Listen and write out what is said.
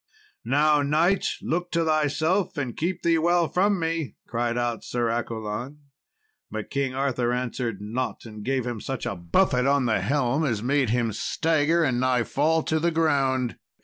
"Now, knight, look to thyself, and keep thee well from me," cried out Sir Accolon. But King Arthur answered not, and gave him such a buffet on the helm as made him stagger and nigh fall upon the ground.